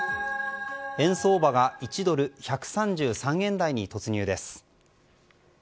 円相場が１ドル＝１３３円台に突入です。